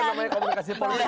ini namanya komunikasi politik